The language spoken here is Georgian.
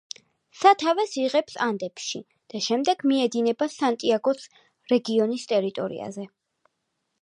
სათავეს იღებს ანდებში და შემდეგ მიედინება სანტიაგოს რეგიონის ტერიტორიაზე.